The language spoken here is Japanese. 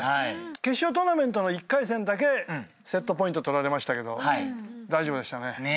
決勝トーナメントの１回戦だけセットポイント取られましたけど大丈夫でしたね。